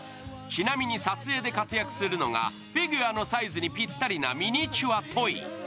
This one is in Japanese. ちなみに撮影で活躍するのがフィギュアのサイズにぴったりなミニチュアトイ。